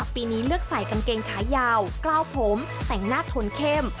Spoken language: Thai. ปีนี้เลือกใส่กางเกงขายาวกล้าวผมแต่งหน้าทนเข้ม